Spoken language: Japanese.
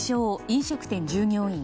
飲食店従業員